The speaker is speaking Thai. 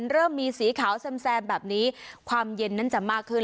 เริ่มมีสีขาวแซมแบบนี้ความเย็นนั้นจะมากขึ้น